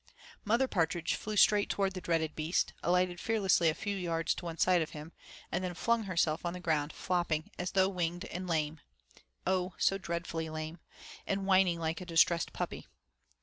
Mother Partridge flew straight toward the dreaded beast, alighted fearlessly a few yards to one side of him, and then flung herself on the ground, flopping as though winged and lame oh, so dreadfully lame and whining like a distressed puppy.